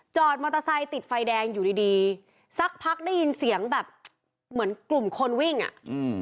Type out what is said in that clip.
มอเตอร์ไซค์ติดไฟแดงอยู่ดีดีสักพักได้ยินเสียงแบบเหมือนกลุ่มคนวิ่งอ่ะอืม